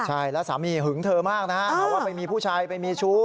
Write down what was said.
ใช่แล้วสามีหึงเธอมากนะฮะว่าไปมีผู้ชายไปมีชู้